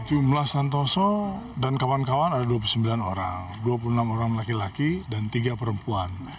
jumlah santoso dan kawan kawan ada dua puluh sembilan orang dua puluh enam orang laki laki dan tiga perempuan